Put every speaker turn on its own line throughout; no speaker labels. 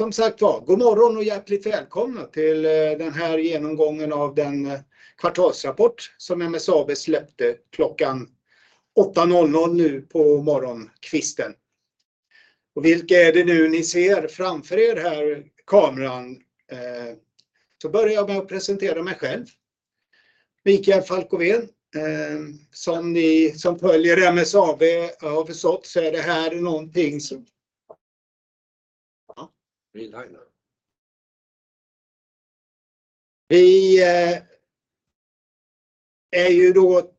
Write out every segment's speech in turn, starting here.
Ja, som sagt var god morgon och hjärtligt välkomna till den här genomgången av den kvartalsrapport som MSAB släppte klockan 8:00 A.M. nu på morgonkvisten. Vilka är det nu ni ser framför er här i kameran? Börjar jag med att presentera mig själv. Mikael Falkovén, som ni som följer MSAB har förstått. Ja, vi är live nu. Vi är ju då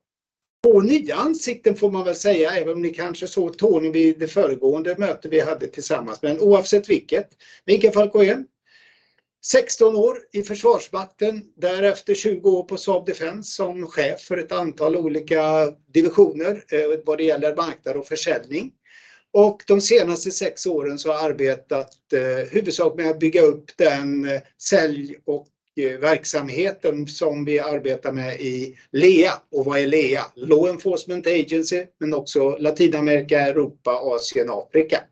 två nya ansikten får man väl säga, även om ni kanske såg Tony vid det föregående möte vi hade tillsammans. Oavsett vilket, Mikael Falkovén, 16 år i Försvarsmakten, därefter 20 år på Saab Defence som chef för ett antal olika divisioner, vad det gäller marknad och försäljning. De senaste six åren så har arbetat huvudsak med att bygga upp den sälj och verksamheten som vi arbetar med i LEA. Vad är LEA? Law Enforcement Agency, men också Latinamerika, Europa, Asien, Afrika.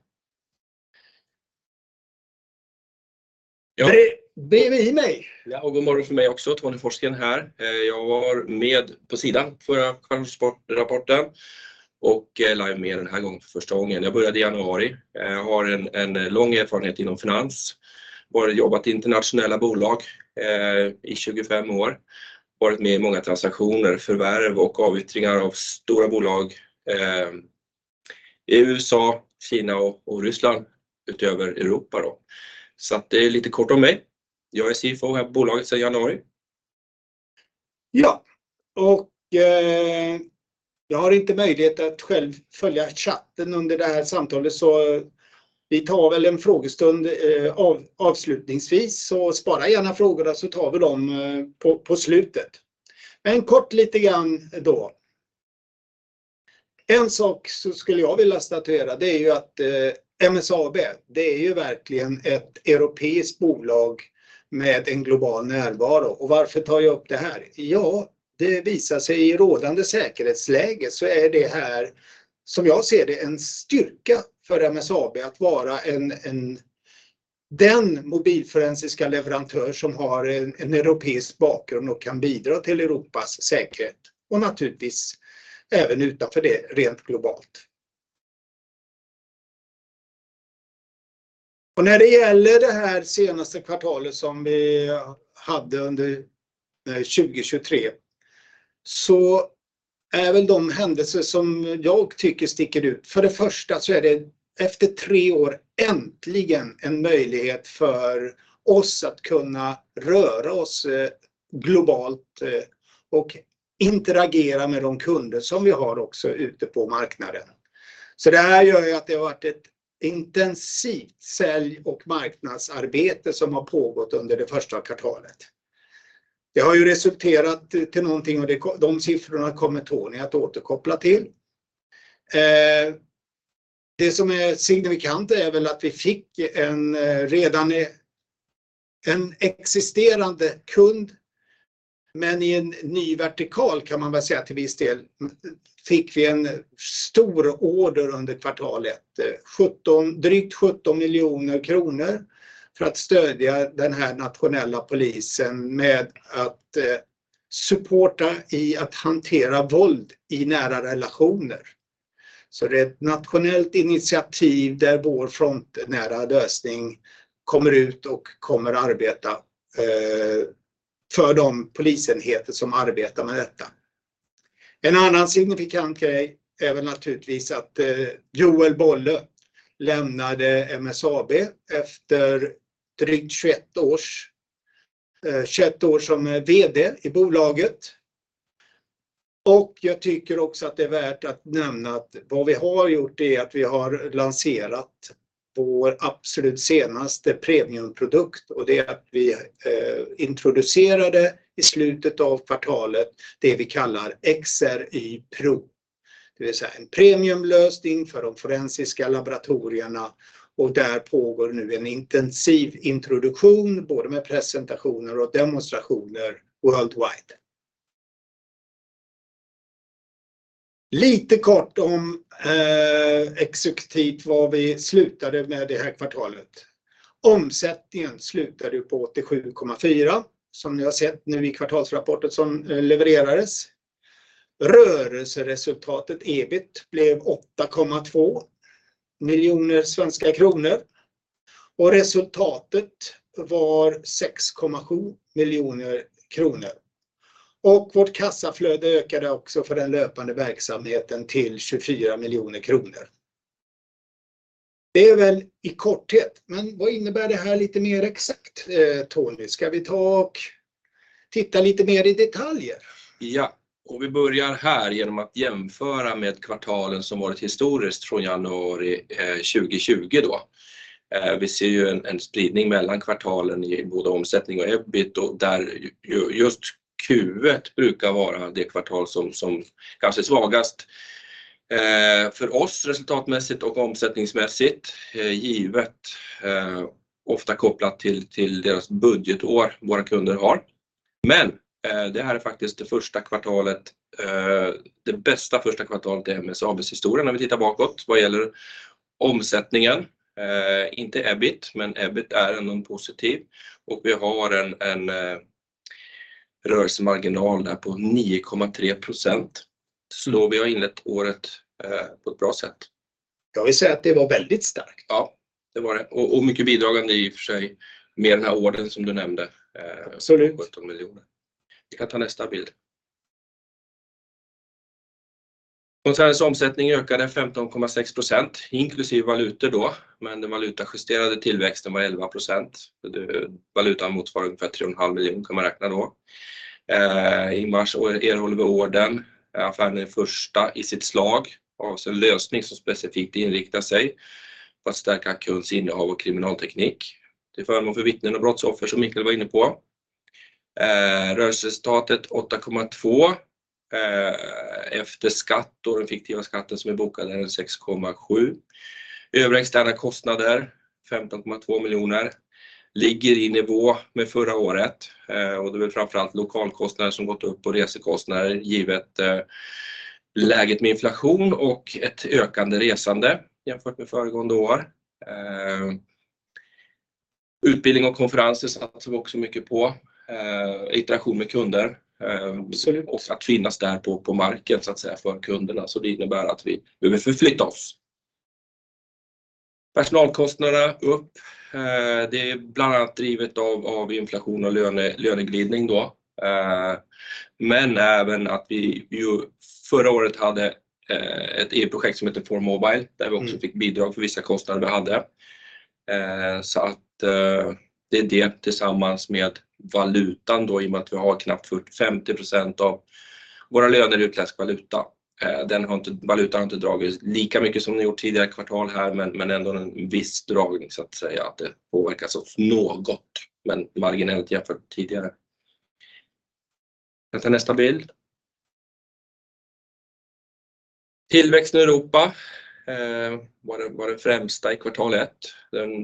Bredvid mig.
God morgon för mig också. Tony Forsgren här. Jag var med på sidan förra kvartalsrapporten och är live med den här gången för första gången. Jag började i januari. Har en lång erfarenhet inom finans, både jobbat i internationella bolag, i 25 år, varit med i många transaktioner, förvärv och avyttringar av stora bolag, i USA, Kina och Ryssland utöver Europa då. Det är lite kort om mig. Jag är CFO här på bolaget sedan januari.
Jag har inte möjlighet att själv följa chatten under det här samtalet. Vi tar väl en frågestund avslutningsvis. Spara gärna frågorna så tar vi dem på slutet. Kort lite grann då. En sak skulle jag vilja statuera, det är ju att MSAB, det är ju verkligen ett europeiskt bolag med en global närvaro. Varför tar jag upp det här? Det visar sig i rådande säkerhetsläge är det här, som jag ser det, en styrka för MSAB att vara en den mobilforensiska leverantör som har en europeisk bakgrund och kan bidra till Europas säkerhet och naturligtvis även utanför det rent globalt. När det gäller det här senaste kvartalet som vi hade under 2023, är väl de händelser som jag tycker sticker ut. Det är efter 3 år äntligen en möjlighet för oss att kunna röra oss globalt och interagera med de kunder som vi har också ute på marknaden. Det här gör ju att det har varit ett intensivt sälj- och marknadsarbete som har pågått under det första kvartalet. Det har ju resulterat till någonting och de siffrorna kommer Tony att återkoppla till. Det som är signifikant är väl att vi fick en redan, en existerande kund, men i en ny vertikal kan man väl säga till viss del, fick vi en stororder under kvartalet. 17 million, drygt 17 million kronor för att stödja den här nationella polisen med att supporta i att hantera våld i nära relationer. Det är ett nationellt initiativ där vår frontnära lösning kommer ut och kommer arbeta för de polisenheter som arbetar med detta. En annan signifikant grej är väl naturligtvis att Joel Bollö lämnade MSAB efter drygt 21 års, 21 år som vd i bolaget. Jag tycker också att det är värt att nämna att vad vi har gjort är att vi har lanserat vår absolut senaste premiumprodukt och det är att vi introducerade i slutet av kvartalet det vi kallar XRY Pro. Det vill säga en premiumlösning för de forensiska laboratorierna och där pågår nu en intensiv introduktion, både med presentationer och demonstrationer worldwide. Lite kort om exekutivt var vi slutade med det här kvartalet. Omsättningen slutade ju på 87.4, som ni har sett nu i kvartalsrapporten som levererades. Rörelseresultatet EBIT blev 8.2 million kronor och resultatet var 6.7 million kronor. Vårt kassaflöde ökade också för den löpande verksamheten till 24 million kronor. Det är väl i korthet. Vad innebär det här lite mer exakt, Tony? Ska vi ta och titta lite mer i detaljer?
Vi börjar här genom att jämföra med kvartalen som varit historiskt från January 2020 då. Vi ser ju en spridning mellan kvartalen i både omsättning och EBIT och där ju just Q1 brukar vara det kvartal som kanske är svagast för oss resultatmässigt och omsättningsmässigt. Givet, ofta kopplat till deras budgetår våra kunder har. Det här är faktiskt det första kvartalet, det bästa första kvartalet i MSAB's historia när vi tittar bakåt. Vad gäller omsättningen, inte EBIT är ändå positiv. Vi har en rörelsemarginal där på 9.3%. Vi har inlett året på ett bra sätt.
Jag vill säga att det var väldigt starkt.
Ja, det var det. Mycket bidragande i för sig med den här ordern som du nämnde. 17 million. Vi kan ta nästa bild. Koncernens omsättning ökade 15.6%, inklusive valutor då, men den valutajusterade tillväxten var 11%. Valutan motsvarar ungefär 3.5 million kan man räkna då. I mars erhåller vi order, affären är första i sitt slag av en lösning som specifikt inriktar sig på att stärka KUNs innehav och kriminalteknik. Det är för övrigt vittnen och brottsoffer som Mikael var inne på. Rörelseresultatet 8.2. Efter skatt och den fiktiva skatten som är bokad är den 6.7. Övriga externa kostnader, 15.2 million, ligger i nivå med förra året. Det är framför allt lokalkostnader som gått upp och resekostnader givet läget med inflation och ett ökande resande jämfört med föregående år. Utbildning och konferens satsar vi också mycket på. Interaktion med kunder och att finnas där på marken så att säga för kunderna. Det innebär att vi behöver förflytta oss. Personalkostnaderna upp. Det är bland annat drivet av inflation och löneglidning då. Även att vi förra året hade ett EU-projekt som hette Form Mobile, där vi också fick bidrag för vissa kostnader vi hade. Det är det tillsammans med valutan då i och med att vi har knappt 50% av våra löner i utländsk valuta. Valutan har inte dragit lika mycket som den gjort tidigare kvartal här, men ändå en viss dragning så att säga att det påverkas oss något, men marginellt jämfört tidigare. Jag tar nästa bild. Tillväxt i Europa var den främsta i kvartal ett.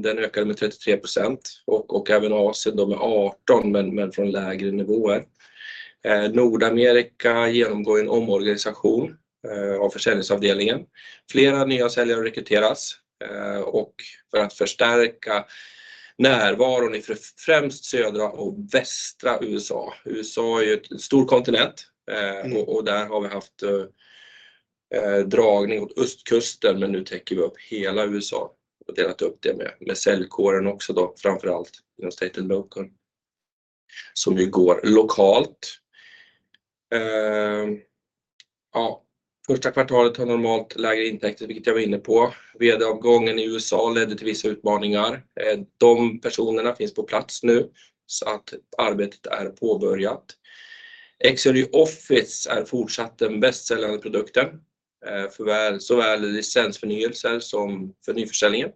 Den ökade med 33% och även Asien med 18%, men från lägre nivåer. Nordamerika genomgår en omorganisation av försäljningsavdelningen. Fler nya säljare rekryteras för att förstärka närvaron i främst södra och västra USA. USA är ju ett stor kontinent. Där har vi haft dragning åt East Coast, nu täcker vi upp hela USA och delat upp det med säljkåren också då, framför allt UNIFY Local som ju går lokalt. Ja, första kvartalet har normalt lägre intäkter, vilket jag var inne på. VD-avgången i USA ledde till vissa utmaningar. De personerna finns på plats nu så att arbetet är påbörjat. XRY Office är fortsatt den bästsäljande produkten, för väl, såväl renewals som för nyförsäljningen.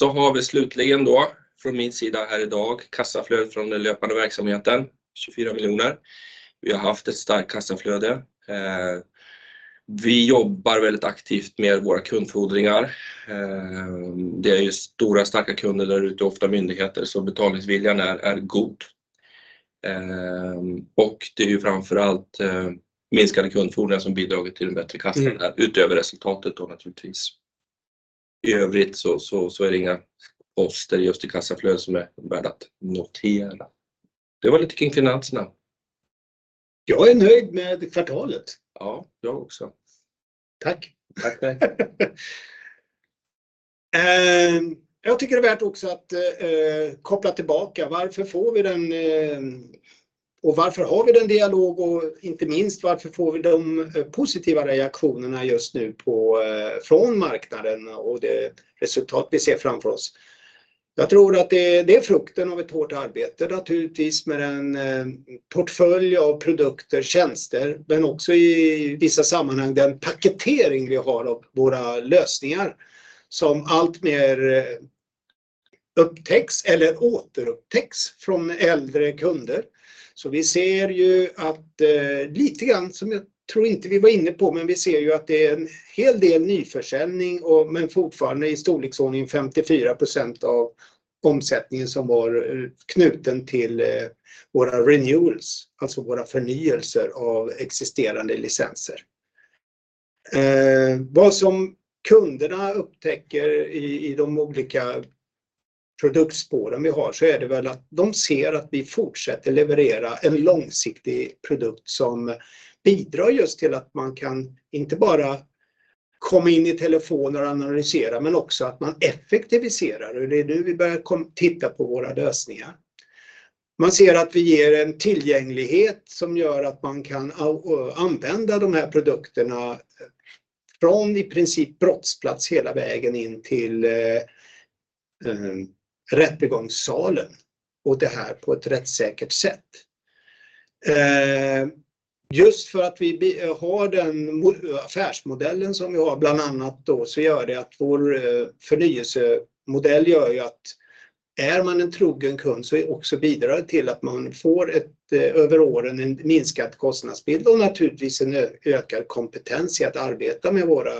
Har vi slutligen då från min sida här i dag kassaflöde från den löpande verksamheten, 24 million. Vi har haft ett starkt kassaflöde. Vi jobbar väldigt aktivt med våra kundfordringar. Det är stora starka kunder där ute, ofta myndigheter. Betalningsviljan är god. Det är ju framför allt minskade kundfordringar som bidragit till den bättre kassan, utöver resultatet då naturligtvis. I övrigt så är det inga poster just i kassaflöde som är värda att notera. Det var lite kring finanserna.
Jag är nöjd med kvartalet.
Ja, jag också.
Tack.
Tack, tack.
Jag tycker det är värt också att koppla tillbaka. Varför får vi den och varför har vi den dialog och inte minst, varför får vi de positiva reaktionerna just nu på, från marknaden och det resultat vi ser framför oss? Jag tror att det är frukten av ett hårt arbete, naturligtvis med en portfölj av produkter, tjänster, men också i vissa sammanhang den paketering vi har av våra lösningar som allt mer upptäcks eller återupptäcks från äldre kunder. Vi ser ju att lite grann som jag tror inte vi var inne på, men vi ser ju att det är en hel del nyförsäljning, men fortfarande i storleksordning 54% av omsättningen som var knuten till våra renewals, alltså våra förnyelser av existerande licenser. Vad som kunderna upptäcker i de olika produktspåren vi har så är det väl att de ser att vi fortsätter leverera en långsiktig produkt som bidrar just till att man kan inte bara komma in i telefon och analysera, men också att man effektiviserar. Det är nu vi börjar titta på våra lösningar. Man ser att vi ger en tillgänglighet som gör att man kan använda de här produkterna från i princip brottsplats hela vägen in till rättegångssalen och det här på ett rättssäkert sätt. Just för att vi har den affärsmodellen som vi har bland annat, så gör det att vår förnyelsemodell gör ju att. Är man en trogen kund så också bidrar det till att man får ett över åren en minskad kostnadsbild och naturligtvis en ökad kompetens i att arbeta med våra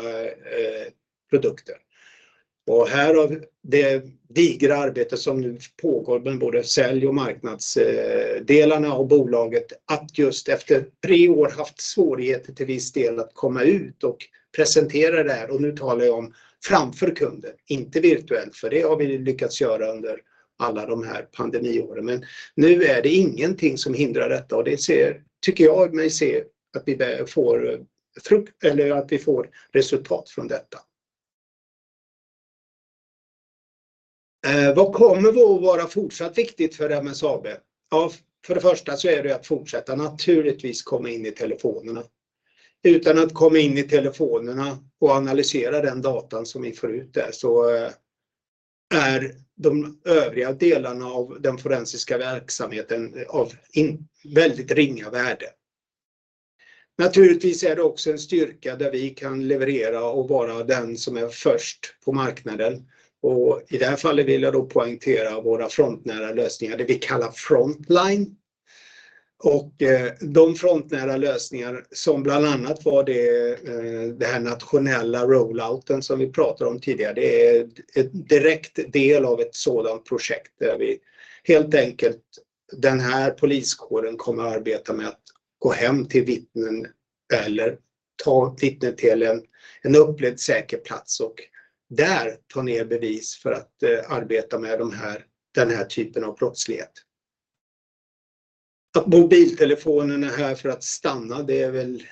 produkter. Härav det digra arbete som nu pågår med både sälj och marknadsdelarna av bolaget att just efter 3 år haft svårigheter till viss del att komma ut och presentera det här. Nu talar jag om framför kunden, inte virtuellt, för det har vi lyckats göra under alla de här pandemiåren. Nu är det ingenting som hindrar detta och det ser, tycker jag mig se att vi får, eller att vi får resultat från detta. Vad kommer då att vara fortsatt viktigt för MSAB? Ja, för det första så är det att fortsätta naturligtvis komma in i telefonerna. Utan att komma in i telefonerna och analysera den datan som vi får ut där så är de övriga delarna av den forensiska verksamheten av väldigt ringa värde. Naturligtvis är det också en styrka där vi kan leverera och vara den som är först på marknaden. I det här fallet vill jag då poängtera våra frontnära lösningar, det vi kallar Frontline. De frontnära lösningar som bland annat var det här nationella roll-outen som vi pratade om tidigare. Det är ett direkt del av ett sådant projekt där vi helt enkelt den här poliskåren kommer arbeta med att gå hem till vittnen eller ta vittnet till en upplevd säker plats och där ta ner bevis för att arbeta med den här typen av brottslighet. Mobiltelefonen är här för att stanna. Det är väl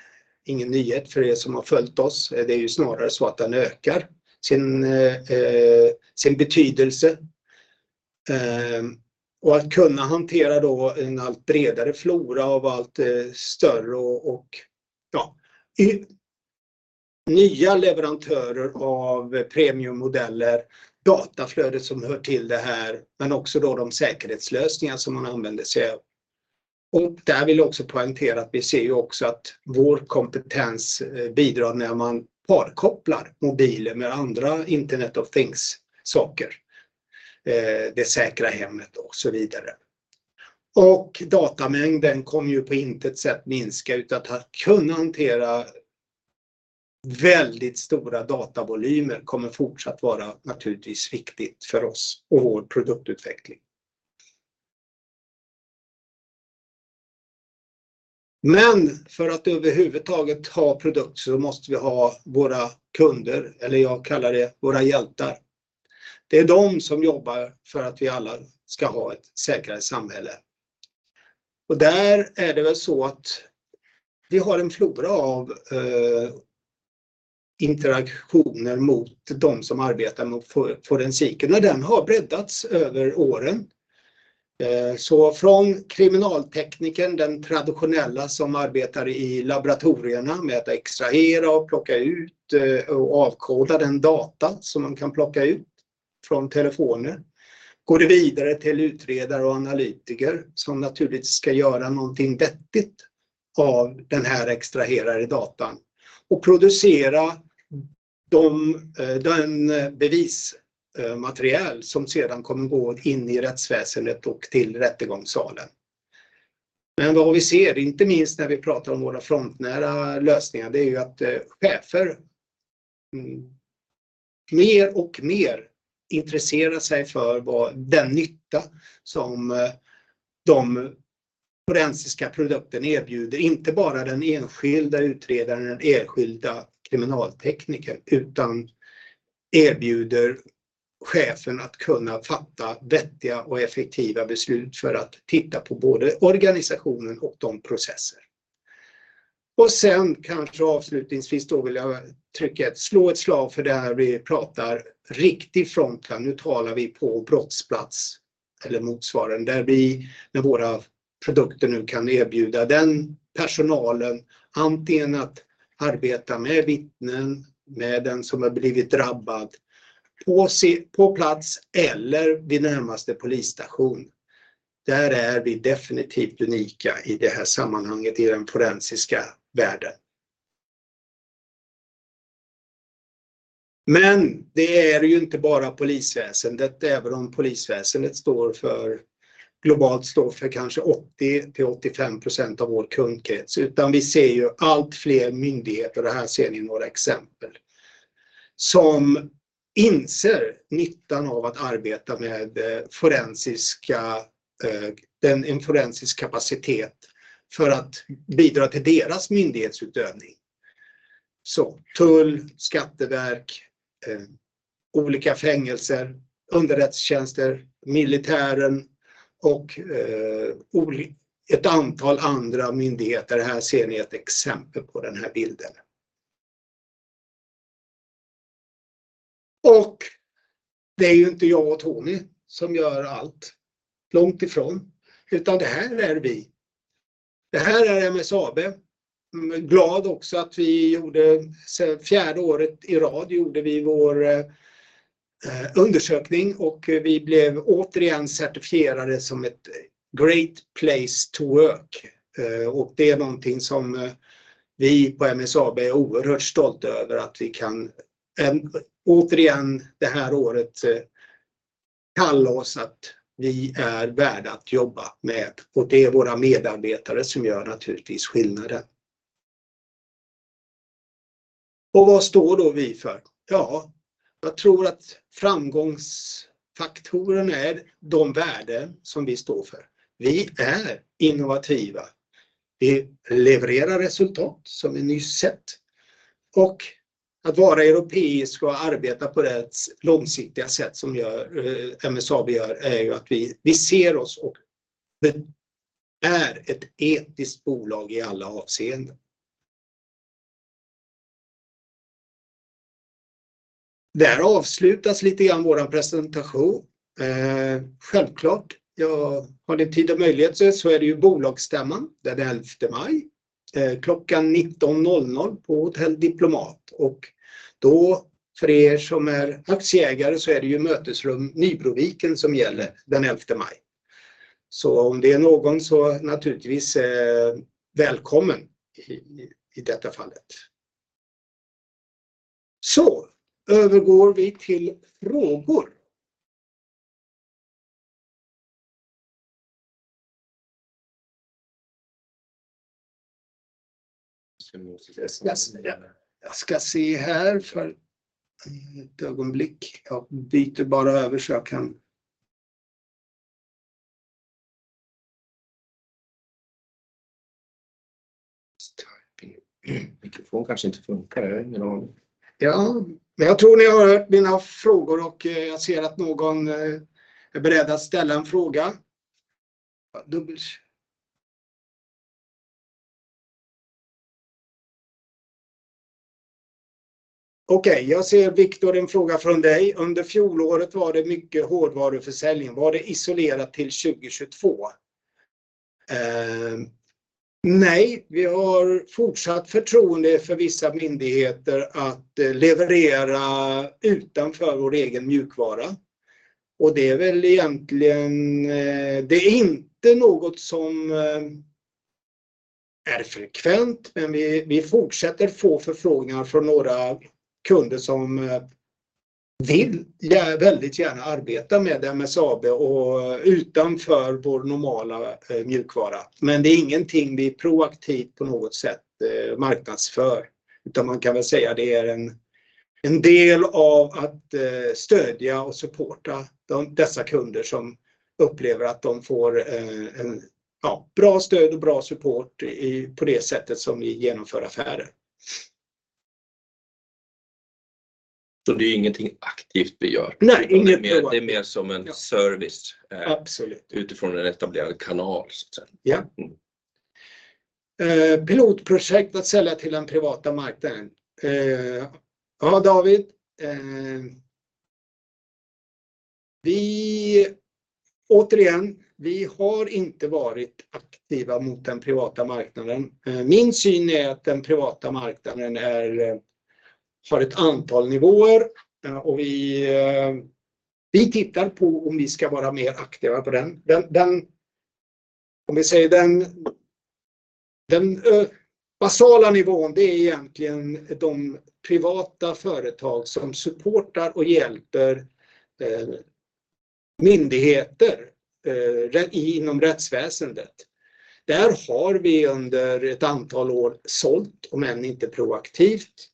ingen nyhet för er som har följt oss. Det är ju snarare så att den ökar sin betydelse. Att kunna hantera då en allt bredare flora av allt större och nya leverantörer av premiummodeller, dataflödet som hör till det här, men också då de säkerhetslösningar som man använder sig av. Där vill jag också poängtera att vi ser ju också att vår kompetens bidrar när man parkopplar mobilen med andra Internet of Things saker, det säkra hemmet och så vidare. Datamängden kommer ju på intet sätt minska utan att kunna hantera väldigt stora datavolymer kommer fortsatt vara naturligtvis viktigt för oss och vår produktutveckling. För att överhuvudtaget ha produkt så måste vi ha våra kunder eller jag kallar det våra hjältar. Det är de som jobbar för att vi alla ska ha ett säkrare samhälle. Där är det väl så att vi har en flora av interaktioner mot de som arbetar mot forensiken och den har breddats över åren. Från kriminalteknikern, den traditionella som arbetar i laboratorierna med att extrahera och plocka ut och avkoda den data som man kan plocka ut från telefoner, går det vidare till utredare och analytiker som naturligt ska göra någonting vettigt av den här extraherade datan och producera den bevismateriel som sedan kommer gå in i rättsväsendet och till rättegångssalen. Vad vi ser, inte minst när vi pratar om våra Frontline-nära lösningar, det är ju att chefer mer och mer intresserar sig för vad den nytta som de forensiska produkten erbjuder. Inte bara den enskilda utredaren, den enskilda kriminalteknikern, utan erbjuder chefen att kunna fatta vettiga och effektiva beslut för att titta på både organisationen och de processer. Sen kanske avslutningsvis då vill jag trycka, slå ett slag för det här vi pratar riktig Frontline. Nu talar vi på brottsplats eller motsvarande, där vi med våra produkter nu kan erbjuda den personalen antingen att arbeta med vittnen, med den som har blivit drabbad på plats eller vid närmaste polisstation. Där är vi definitivt unika i det här sammanhanget i den forensiska världen. Det är ju inte bara polisväsendet, även om polisväsendet står för globalt står för kanske 80%-85% av vår kundkrets, utan vi ser ju allt fler myndigheter och här ser ni några exempel, som inser nyttan av att arbeta med forensiska, en forensisk kapacitet för att bidra till deras myndighetsutövning. Tull, Skatteverk, olika fängelser, underrättstjänster, militären och ett antal andra myndigheter. Här ser ni ett exempel på den här bilden. Det är ju inte jag och Tony som gör allt, långt ifrån, utan det här är vi. Det här är MSAB. Glad också att vi gjorde, fjärde året i rad gjorde vi vår undersökning och vi blev återigen certifierade som ett Great Place To Work. Det är någonting som vi på MSAB är oerhört stolta över att vi kan återigen det här året kalla oss att vi är värda att jobba med och det är våra medarbetare som gör naturligtvis skillnaden. Vad står då vi för? Ja, jag tror att framgångsfaktorn är de värden som vi står för. Vi är innovativa, vi levererar resultat som vi nyss sett. Att vara europeisk och arbeta på det långsiktiga sätt som MSAB gör är att vi ser oss och är ett etiskt bolag i alla avseenden. Där avslutas lite grann vår presentation. Självklart, ja, har ni tid och möjlighet så är det ju bolagsstämman den elfte maj, klockan 19:00 på Hotell Diplomat. För er som är aktieägare så är det ju mötesrum Nybroviken som gäller den 11th of May. Om det är någon så naturligtvis är välkommen i detta fallet. Övergår vi till frågor. Jag ska se här för ett ögonblick. Jag byter bara över så jag kan...
Mikrofon kanske inte funkar.
Jag tror ni har hört mina frågor och jag ser att någon är beredd att ställa en fråga. Okej, jag ser Victor, en fråga från dig. Under fjolåret var det mycket hårdvaruförsäljning. Var det isolerat till 2022? Nej, vi har fortsatt förtroende för vissa myndigheter att leverera utanför vår egen mjukvara. Det är väl egentligen, det är inte något som är frekvent, men vi fortsätter få förfrågningar från några kunder som vill väldigt gärna arbeta med MSAB och utanför vår normala mjukvara. Det är ingenting vi proaktivt på något sätt marknadsför. Man kan väl säga det är en del av att stödja och supporta dessa kunder som upplever att de får en, ja, bra stöd och bra support på det sättet som vi genomför affärer.
Det är ingenting aktivt vi gör.
Nej, inget proaktivt.
Det är mer som en service.
Absolut.
Utifrån en etablerad kanal så att säga.
Ja. Pilotprojekt att sälja till den privata marknaden. Ja, David. Vi återigen, vi har inte varit aktiva mot den privata marknaden. Min syn är att den privata marknaden är, har ett antal nivåer och vi tittar på om vi ska vara mer aktiva på den. Den, om vi säger den basala nivån, det är egentligen de privata företag som supportar och hjälper myndigheter inom rättsväsendet. Där har vi under ett antal år sålt, om än inte proaktivt.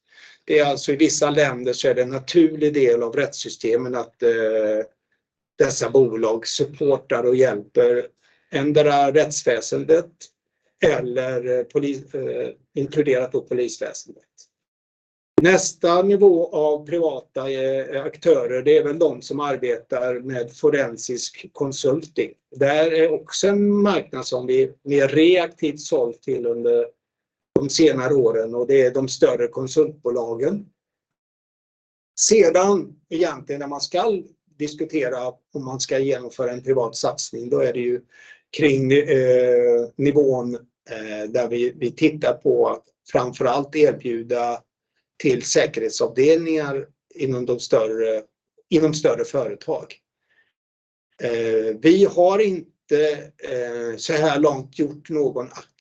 Det är alltså i vissa länder så är det en naturlig del av rättssystemen att dessa bolag supportar och hjälper endera rättsväsendet eller polis, inkluderat då polisväsendet. Nästa nivå av privata aktörer, det är väl de som arbetar med forensisk consulting. Det här är också en marknad som vi reaktivt sålt till under de senare åren och det är de större konsultbolagen. Egentligen när man ska diskutera om man ska genomföra en privat satsning, då är det ju kring nivån där vi tittar på att framför allt erbjuda till säkerhetsavdelningar inom större företag. Vi har inte såhär långt gjort någon aktiv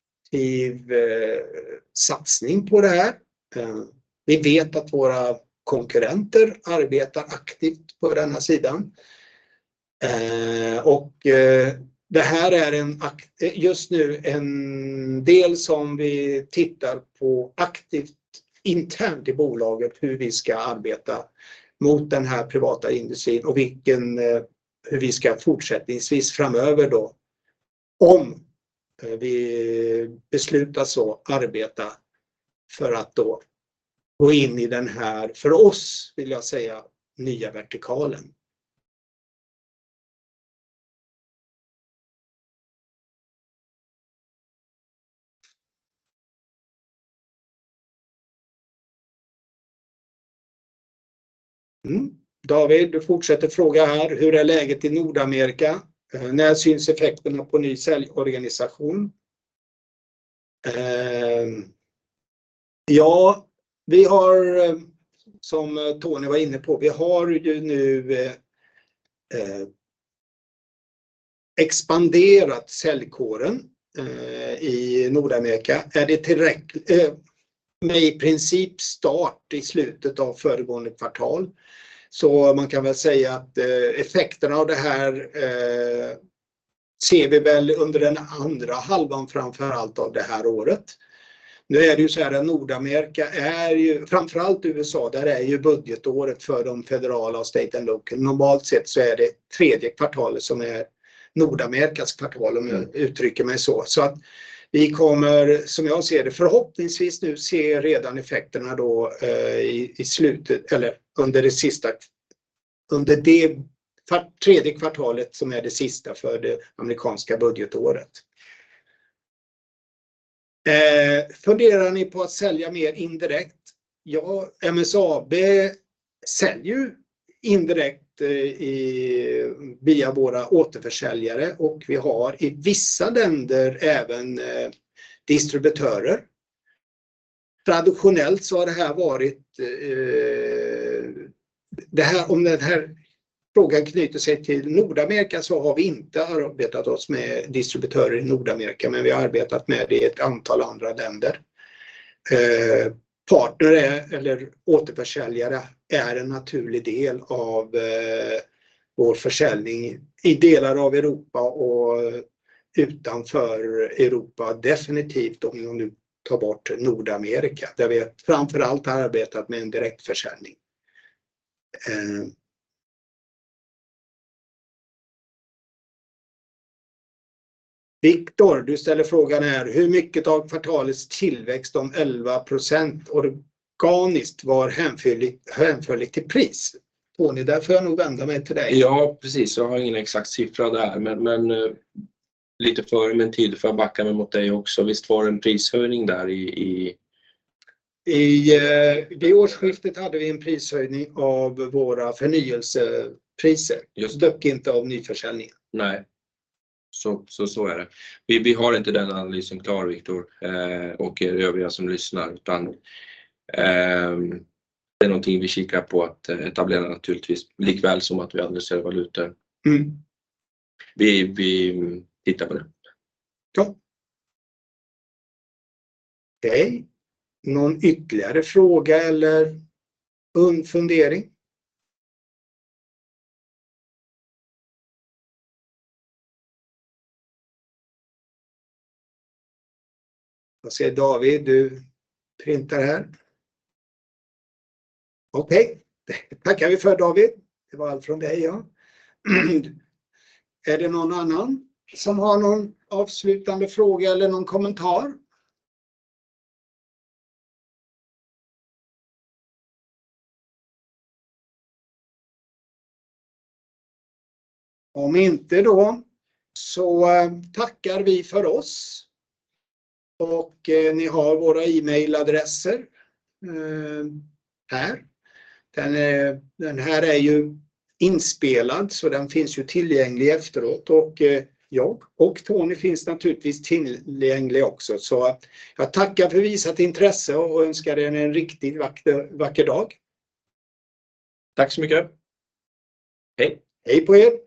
satsning på det här. Vi vet att våra konkurrenter arbetar aktivt på denna sidan. Det här är just nu en del som vi tittar på aktivt internt i bolaget, hur vi ska arbeta mot den här privata industrin och hur vi ska fortsättningsvis framöver då om vi beslutar så arbeta för att då gå in i den här, för oss vill jag säga, nya vertikalen. David, du fortsätter fråga här: Hur är läget i Nordamerika? När syns effekterna på ny säljorganisation? Vi har som Tony var inne på, vi har ju nu expanderat säljkåren i Nordamerika. Med i princip start i slutet av föregående kvartal. Man kan väl säga att effekterna av det här ser vi väl under den andra halvan, framför allt av det här året. Nordamerika är ju framför allt USA, där är ju budgetåret för de federala och state and local. Normalt sett är det tredje kvartalet som är Nordamerikas kvartal om jag uttrycker mig så. Att vi kommer, som jag ser det, förhoppningsvis nu se redan effekterna då i slutet eller under det sista, under det tredje kvartalet som är det sista för det amerikanska budgetåret. Funderar ni på att sälja mer indirekt? MSAB säljer ju indirekt i, via våra återförsäljare och vi har i vissa länder även distributörer. Traditionellt så har det här varit... Det här, om den här frågan knyter sig till Nordamerika så har vi inte arbetat oss med distributörer i Nordamerika, men vi har arbetat med det i ett antal andra länder. Partner eller återförsäljare är en naturlig del av vår försäljning i delar av Europa och utanför Europa. Definitivt om vi nu tar bort Nordamerika, där vi framför allt har arbetat med en direktförsäljning. Victor, du ställer frågan här: Hur mycket av kvartalets tillväxt om 11% organiskt var hänförlig till pris? Tony, där får jag nog vända mig till dig.
Ja, precis. Jag har ingen exakt siffra där, men lite före med en tid får jag backa mig mot dig också. Visst var det en prishöjning där i?
Vid årsskiftet hade vi en prishöjning av våra förnyelsepriser.
Just det.
Dock inte av nyförsäljningen.
Nej, så är det. Vi har inte den analysen klar, Victor, och er övriga som lyssnar, utan det är någonting vi kikar på att etablera naturligtvis. Likväl som att vi analyserar valutor.
Mm.
Vi tittar på det.
Okay, någon ytterligare fråga eller fundering? Jag ser David, du printar här. Okay, det tackar vi för David. Det var allt från dig ja. Är det någon annan som har någon avslutande fråga eller någon kommentar? Tackar vi för oss och ni har våra email addresses här. Den här är ju inspelad den finns ju tillgänglig efteråt. Jag och Tony finns naturligtvis tillgängliga också. Jag tackar för visat intresse och önskar er en riktigt vacker dag.
Tack så mycket. Hej.
Hej på er.